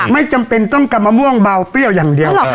ไม่จำเป็นต้องกำมะม่วงเบาเปรี้ยวอย่างเดียว